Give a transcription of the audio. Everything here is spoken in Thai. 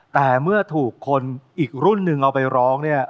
แต่เมื่อถูกคนอีกรุ่นหนึ่งเอาไปร้องเนี่ย